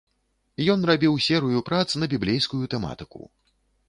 Ён рабіў серыю прац на біблейскую тэматыку.